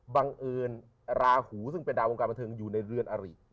บังเอิญราหูซึ่งเป็นดาววงการบันเทิงอยู่ในเรือนอริ